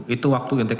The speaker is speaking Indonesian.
itu waktu intake